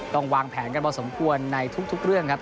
วางแผนกันพอสมควรในทุกเรื่องครับ